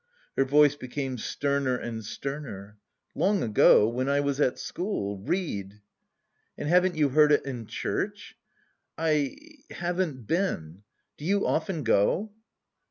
Her voice became sterner and sterner. "Long ago.... When I was at school. Read!" "And haven't you heard it in church?" "I... haven't been. Do you often go?"